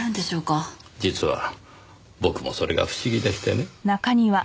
実は僕もそれが不思議でしてね。